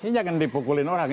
saya jangan dipukulin orang